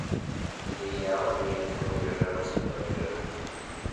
Nem ela e nem ele foram viajar na segunda-feira.